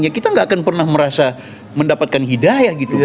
ya kita gak akan pernah merasa mendapatkan hidayah gitu